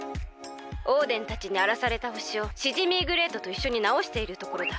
オーデンたちにあらされたほしをシジミーグレイトといっしょになおしているところだ。